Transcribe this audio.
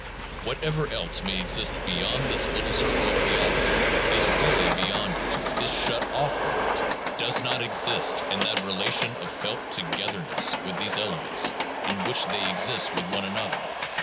Whatever else may exist beyond this little circle of reality is really beyond it, is shut off from it, does not exist in that relation of felt togetherness with these elements in which they exist with one another.